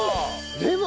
レモン！